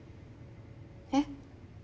えっ？